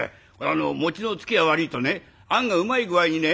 餅のつきが悪いとねあんがうまい具合にね。